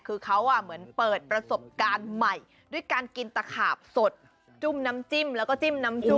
คือเขาเหมือนเปิดประสบการณ์ใหม่ด้วยการกินตะขาบสดจุ้มน้ำจิ้มแล้วก็จิ้มน้ำจิ้ม